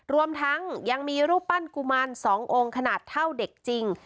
รวมทั้งยังมีรูปปั้นกุมาร๒องค์ขนาดเท่าเด็กจริง